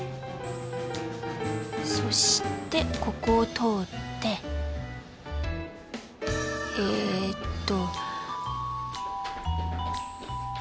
そしてここを通ってえっと。